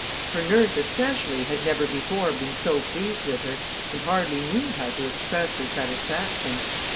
Her nurse, especially, had never before been so pleased with her, and hardly knew how to express her satisfaction.